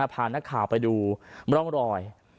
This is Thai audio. พานักข่าวไปดูร่องรอย